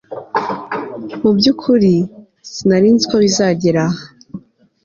mubyukuri, sinari nzi ko bizagera aha